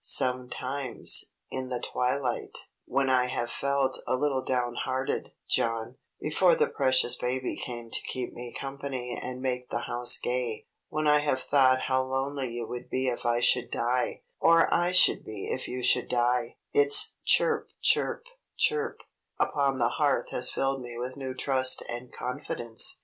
Sometimes, in the twilight, when I have felt a little down hearted, John before the precious baby came to keep me company and make the house gay when I have thought how lonely you would be if I should die, or I should be if you should die, its chirp, chirp, chirp, upon the hearth has filled me with new trust and confidence.